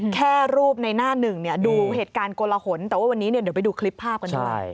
แค่รูปในหน้าหนึ่งเนี่ยดูเหตุการณ์โกลหนแต่ว่าวันนี้เดี๋ยวไปดูคลิปภาพกันด้วย